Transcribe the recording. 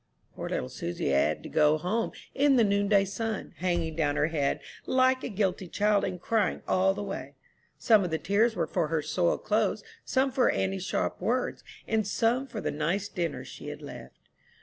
Poor little Susy had to go home in the noonday sun, hanging down her head like a guilty child, and crying all the way. Some of the tears were for her soiled clothes, some for her auntie's sharp words, and some for the nice dinner she had left.